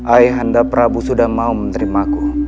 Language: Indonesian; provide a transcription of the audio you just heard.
ayah anda prabu sudah mau menerimaku